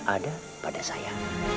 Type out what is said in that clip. ada pada saya